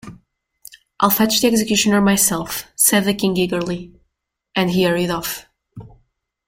‘I’ll fetch the executioner myself,’ said the King eagerly, and he hurried off.